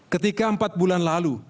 ketika empat bulan lalu